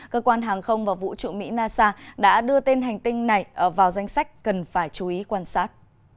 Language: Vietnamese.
cơ quan hàng không và vũ trụ mỹ nasa đã đưa tên hành tinh này vào danh sách cần phải chú ý quan sát